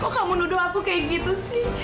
kok kamu menuduh aku kayak gitu sih